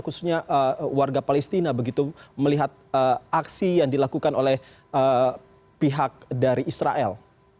khususnya warga palestina begitu melihat aksi yang dilakukan oleh pihak dari israel